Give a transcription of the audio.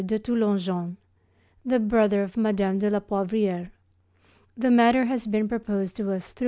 de Toulonjon, the brother of Mme. de la Poivrière. The matter has been proposed to us through M.